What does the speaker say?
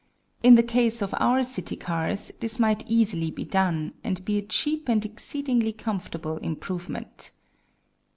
In the case of our city cars this might easily be done, and be a cheap and exceedingly comfortable improvement."